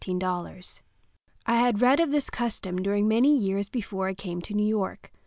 I had read of this custom during many years before I came to New York.